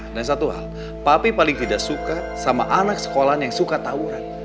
dan satu hal papi paling tidak suka sama anak sekolahnya yang suka tawuran